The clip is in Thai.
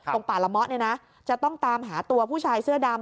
ตรงป่าลม็อตจะต้องตามหาตัวผู้ชายเสื้อดำ